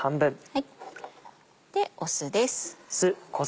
酢です。